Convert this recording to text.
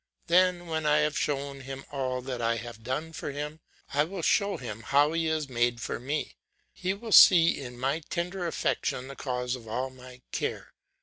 Then when I have shown him all that I have done for him, I will show him how he is made for me; he will see in my tender affection the cause of all my care.